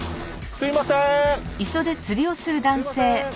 すいません！